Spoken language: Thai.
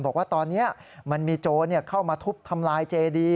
บอกว่าตอนนี้มันมีโจรเข้ามาทุบทำลายเจดี